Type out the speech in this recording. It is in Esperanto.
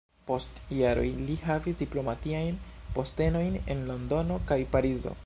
Post jaroj li havis diplomatiajn postenojn en Londono kaj Parizo.